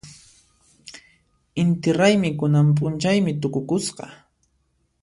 Inti raymi kunan p'unchaymi tukukusqa.